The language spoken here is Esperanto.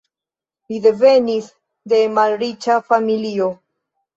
Li devenis de malriĉa familio.